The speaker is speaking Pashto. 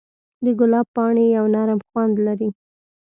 د ګلاب پاڼې یو نرم خوند لري.